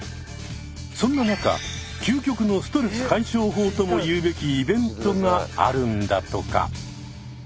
そんな中究極のストレス解消法ともいうべきイベントがあるんだとか。